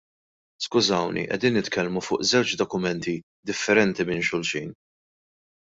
Skużawni, qegħdin nitkellmu fuq żewġ dokumenti differenti minn xulxin.